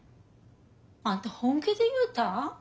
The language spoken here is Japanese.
あんた本気で言うたん？